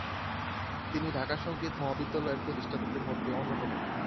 তিনি ঢাকা সঙ্গীত মহাবিদ্যালয়ের প্রতিষ্ঠাতাদের মধ্যে অন্যতম।